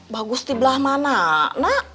bagus di belah mana nak